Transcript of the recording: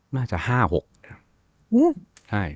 น่าจะ๕๖